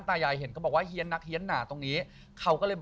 เขาเห็นเป็นคนแก่เลย